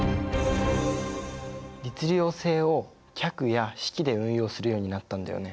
律令制を「格」や「式」で運用するようになったんだよね。